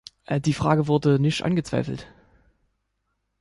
Die Frage wurde nicht angezweifelt.